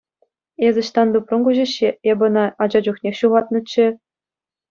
Эс ӑҫтан тупрӑн ку ҫӗҫҫе, эп ӑна ача чухнех ҫухатнӑччӗю.